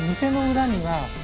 裏には？